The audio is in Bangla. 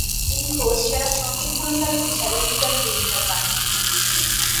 রবিন ঘোষ সেরা সঙ্গীত পরিচালক হিসাবে নিগার পুরস্কার পান।